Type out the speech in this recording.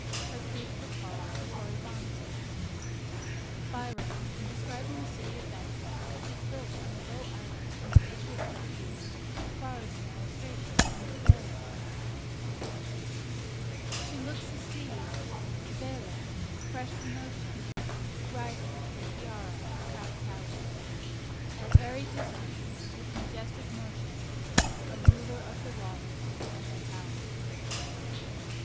Her priests were called Corybantes. Byron, in describing the city of Venice, which is built on a low island in the Adriatic Sea, borrows an illustration from Cybele: "She looks a sea Cybele fresh from ocean, Rising with her tiara of proud towers At airy distance, with majestic motion, A ruler of the waters and their powers."